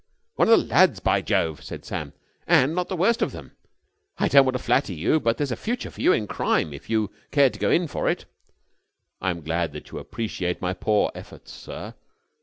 "One of the lads, by Jove!" said Sam. "And not the worst of them! I don't want to flatter you, but there's a future for you in crime, if you cared to go in for it." "I am glad that you appreciate my poor efforts, sir.